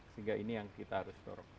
sehingga ini yang kita harus dorong